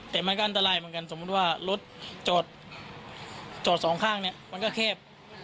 แต่มันก็อันตรายเหมือนกันสมมุติว่ารถจอดสองข้างเนี่ยมันก็แคบ